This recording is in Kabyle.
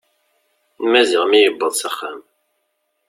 Maziɣ mi yewweḍ s axxam.